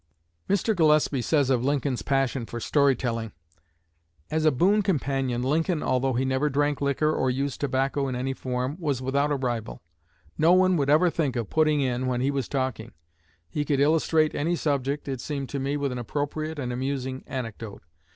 '" Mr. Gillespie says of Lincoln's passion for story telling: "As a boon companion, Lincoln, although he never drank liquor or used tobacco in any form, was without a rival. No one would ever think of 'putting in' when he was talking. He could illustrate any subject, it seemed to me, with an appropriate and amusing anecdote.